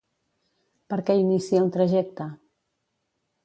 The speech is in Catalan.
Per què inicia un trajecte?